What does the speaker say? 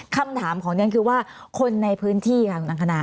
คำถามของนี่ก็คือว่าคนในพื้นที่คุณอังคารา